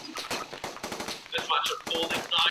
که د کار په ځای کي لومړنۍ مرستې وي، نو ټپیان نه تلف کیږي.